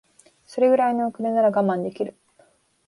それぐらいの遅れなら我慢できる